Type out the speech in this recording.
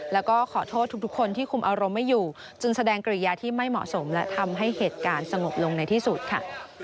แล้วก็ขอโทษทุกคนที่คุมอารมณ์ไม่อยู่จึงแสดงกริยาที่ไม่เหมาะสมและทำให้เหตุการณ์สงบลงในที่สุดค่ะ